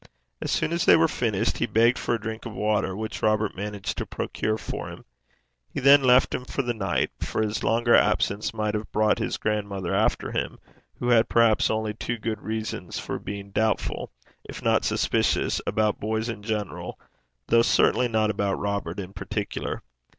As soon as they were finished, he begged for a drink of water, which Robert managed to procure for him. He then left him for the night, for his longer absence might have brought his grandmother after him, who had perhaps only too good reasons for being doubtful, if not suspicious, about boys in general, though certainly not about Robert in particular.